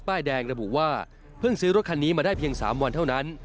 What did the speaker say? ป้ายแดงระบุว่าเพิ่งซื้อรถคันนี้มาได้เพียง๓วันเท่านั้น